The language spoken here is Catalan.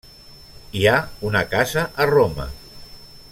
Hi ha una casa a Roma.